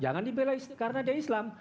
jangan dibela karena dia islam